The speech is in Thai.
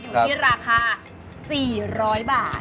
อยู่ที่ราคา๔๐๐บาท